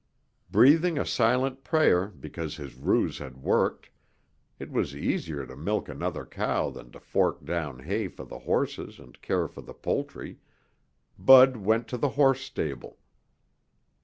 Breathing a silent prayer because his ruse had worked it was easier to milk another cow than to fork down hay for the horses and care for the poultry Bud went to the horse stable.